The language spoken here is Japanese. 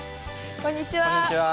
こんにちは。